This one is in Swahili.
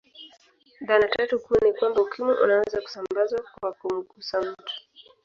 Dhana tatu kuu ni kwamba Ukimwi unaweza kusambazwa kwa kumgusa mtu